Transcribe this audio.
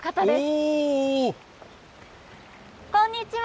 こんにちは！